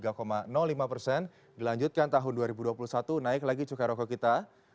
dua ribu dua puluh cukai rokok kembali naik dua puluh tiga lima persen dilanjutkan tahun dua ribu dua puluh satu naik lagi cukai rokok kita